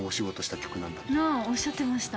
ああおっしゃってました。